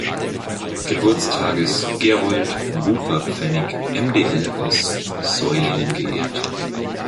Geburtstages Gerold Wucherpfennig MdL aus Seulingen geehrt.